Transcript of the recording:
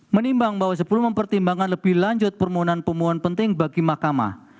menimbang bahwa sebelum mempertimbangkan lebih lanjut permohonan pemohon penting bagi mahkamah